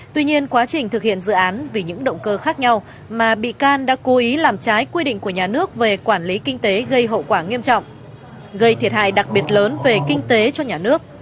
tuy nhiên quá trình thực hiện dự án vì những động cơ khác nhau mà bị can đã cố ý làm trái quy định của nhà nước về quản lý kinh tế gây hậu quả nghiêm trọng gây thiệt hại đặc biệt lớn về kinh tế cho nhà nước